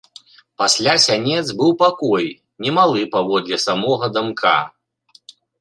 Пасля сянец быў пакой, немалы паводле самога дамка.